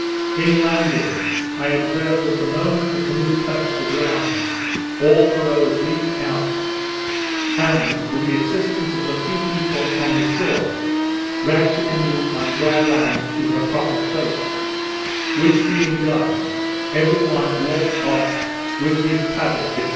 In landing, I observed that the moment the canoe touched the ground, all the rowers leaped out, and with the assistance of a few people on the shore, dragged the canoe on dry land to her proper place; which being done, every one walked off with his paddle, &c.